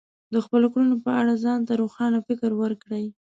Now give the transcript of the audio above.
د خپلو کړنو په اړه ځان ته روښانه فکر وکړئ.